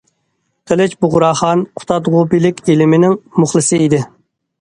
قىلىچ بۇغراخان« قۇتادغۇبىلىك» ئىلمىنىڭ مۇخلىسى ئىدى.